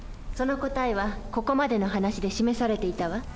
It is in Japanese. その答えはここまでの話で示されていたわ。